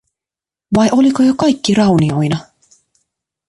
Vai oliko jo kaikki raunioina?